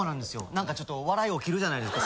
何かちょっと笑い起きるじゃないですか。